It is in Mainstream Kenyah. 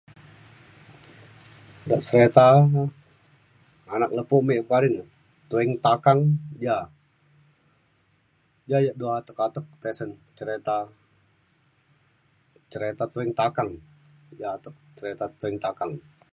da sereta anak lepu' mik bekading de tuing takang ja. ja je du atek atek du tesen cereta cereta tuing takang ja atek cereta tuing takang